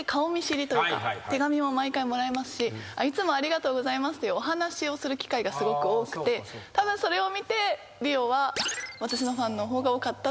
手紙も毎回もらいますし「いつもありがとうございます」というお話をする機会がすごく多くてたぶんそれを見てリオは私のファンの方が多かったって。